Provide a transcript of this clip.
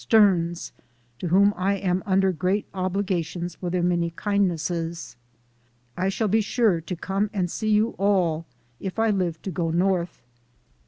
Stearns, to whom I am under great obligations for their many kindnesses. I shall be sure to come and see you all if I live to go Xorth.